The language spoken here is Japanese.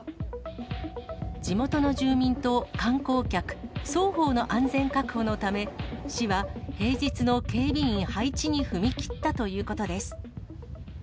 地元の住民と観光客双方の安全確保のため、市は平日の警備員配置に踏み切ったということです。